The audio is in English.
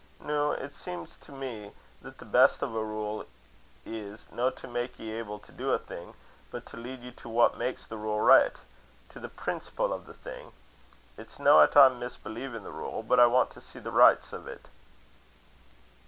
Noo it seems to me that the best o' a rule is, no to mak ye able to do a thing, but to lead ye to what maks the rule richt to the prenciple o' the thing. It's no 'at I'm misbelievin' the rule, but I want to see the richts o't."